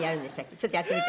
ちょっとやってみて。